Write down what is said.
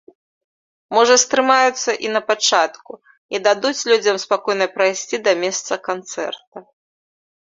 Можа стрымаюцца і на пачатку і дадуць людзям спакойна прайсці да месца канцэрта.